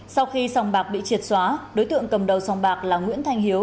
sau khi sòng bạc bị triệt xóa đối tượng cầm đầu sòng bạc là nguyễn thanh hiếu